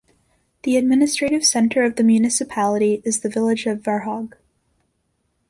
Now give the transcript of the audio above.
The administrative centre of the municipality is the village of Varhaug.